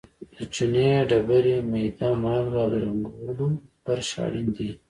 د چونې ډبرې، میده مالګه او د رنګولو برش اړین دي.